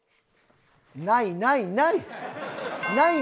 ないないない！